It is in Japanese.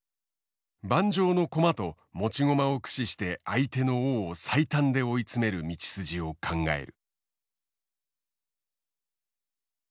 盤上の駒と持ち駒を駆使して相手の王を最短で追い詰める道筋を考える。